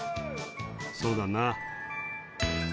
「そうだな」